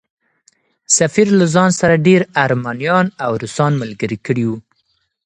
سفیر له ځان سره ډېر ارمنیان او روسان ملګري کړي وو.